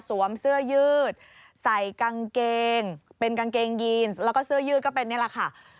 สวมเสื้อยืดใส่กางเกงเป็นกางเกงยีนแล้วก็เสื้อยืดก็เป็นนี่แหละค่ะ